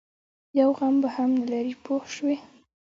یو غم به هم نه لري پوه شوې!.